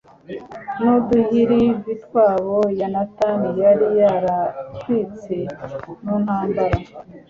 n'uduhirivi tw'abo yonatani yari yaratwitse mu ntambara